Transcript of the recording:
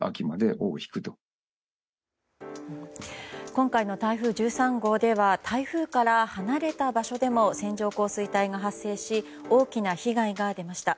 今回の台風１３号では台風から離れた場所でも線状降水帯が発生し大きな被害が出ました。